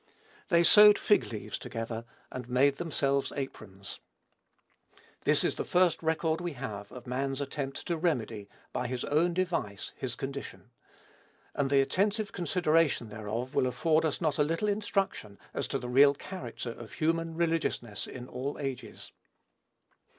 "They sewed fig leaves together and made themselves aprons." This is the first record we have of man's attempt to remedy, by his own device, his condition; and the attentive consideration thereof will afford us not a little instruction as to the real character of human religiousness in all ages.